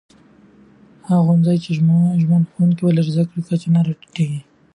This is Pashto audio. هغه ښوونځي چې ژمن ښوونکي ولري، د زده کړې کچه نه راټيټېږي.